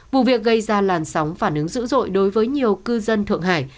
vụ việc gây ra làn sóng phản ứng dữ dội đối với nhiều cư dân thượng hải